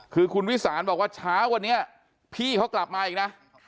คือคุณวิสานบอกว่าเช้าวันนี้พี่เขากลับมาอีกนะ